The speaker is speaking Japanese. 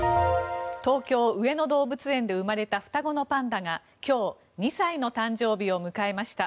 東京・上野動物園で生まれた双子のパンダが今日２歳の誕生日を迎えました。